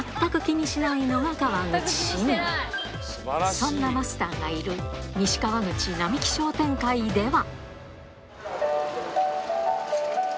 そんなマスターがいる西川口並木商店会では